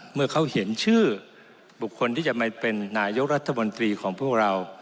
เมื่อเขาเห็นชื่อบุคคลที่จะมาเป็นนายกรัฐมนตรีของพวกเรา